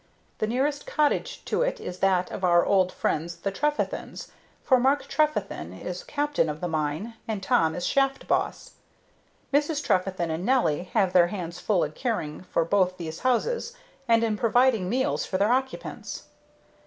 The nearest cottage to it is that of our old friends the Trefethens for Mark Trefethen is captain of the mine, and Tom is shaft boss. Mrs. Trefethen and Nelly have their hands full in caring for both these houses and in providing meals for their occupants.